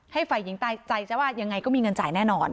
ฝ่ายหญิงตายใจจะว่ายังไงก็มีเงินจ่ายแน่นอน